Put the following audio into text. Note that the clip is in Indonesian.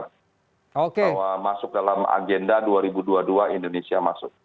bahwa masuk dalam agenda dua ribu dua puluh dua indonesia masuk